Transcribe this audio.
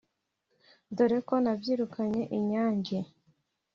dore ko nabyirukanye inyange